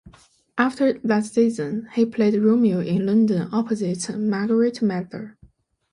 After that season, he played Romeo in London opposite Margaret Mather.